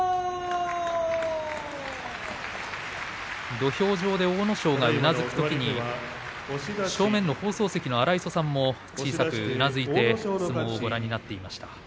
土俵上で阿武咲がうなずくときに正面の放送席の荒磯さんも小さくうなずいて相撲をご覧になっていました。